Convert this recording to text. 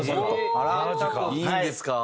いいんですか？